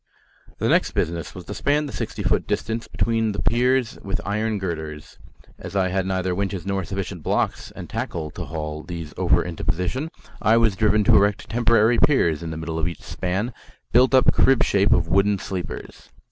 The next business was to span the sixty foot distance between the piers with iron girders. As I had neither winches nor sufficient blocks and tackle to haul these over into position, I was driven to erect temporary piers in the middle of each span, built up crib shape of wooden sleepers.